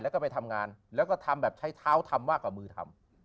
แล้วก็ไปทำงานแล้วก็ทำแบบใช้เท้าทำมากกว่ามือทำ